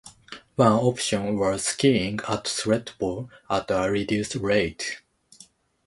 One option was skiing at Thredbo at a reduced rate.